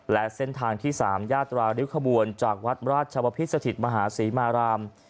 และเส้นทางที่๓ยาตราริ้วขบวนจากวัดราชวพิสถิตมหาศรีมาราม